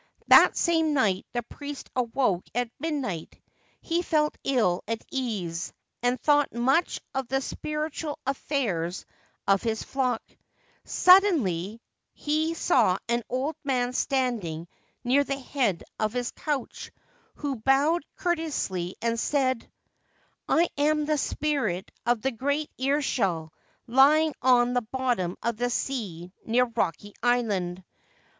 That same night the priest awoke at midnight ; he felt ill at ease, and thought much of the spiritual affairs of his flock. Suddenly he saw an old man standing near the head of his couch, who, bowing courteously, said : 279 Ancient Tales and Folklore of Japan < 1 am the spirit of the great ear shell lying on the bottom of the sea near Rocky Island.